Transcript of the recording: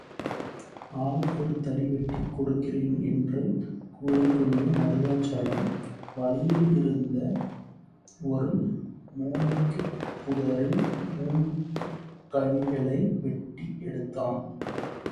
ஆளுக்கொரு தடி வெட்டிக் கொடுக்கிறேன் என்று கூறிக்கொண்டே மருதாசலம், வழியிலிருந்த ஒரு மூங்கிற்பு தரில் மூங்கிற்கழிகளை வெட்டி எடுத்தான்.